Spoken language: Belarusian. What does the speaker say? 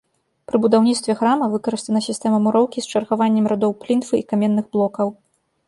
Пры будаўніцтве храма выкарыстана сістэма муроўкі з чаргаваннем радоў плінфы і каменных блокаў.